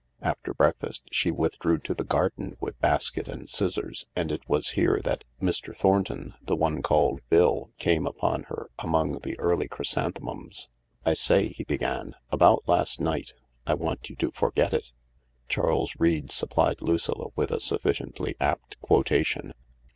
After break fast she withdrew to the garden with basket and scissors, and it was here that Mr. Thornton — the one called Bill — came upon her among the early chrysanthemums. " I say," he began, " about last night. I want you to for get it." Charles Reade supplied Lucilla with a sufficiently apt quotation.